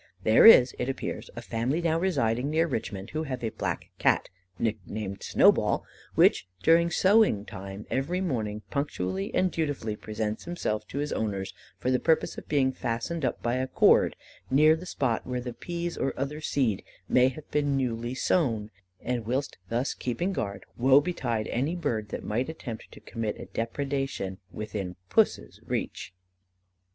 There is, it appears, a family now residing near Richmond, who have a black Cat nicknamed Snow Ball, which, during sowing time, every morning, punctually and dutifully presents himself to his owners, for the purpose of being fastened up by a cord, near the spot where the peas or other seed may have been newly sown; and whilst thus keeping guard, woe betide any bird that might attempt to commit a depredation within Puss's reach.